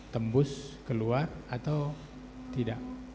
tembus keluar atau tidak